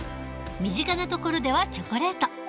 身近なところではチョコレート。